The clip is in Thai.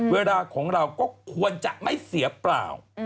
เวลาของเราก็ควรจะไม่เสียเปล่า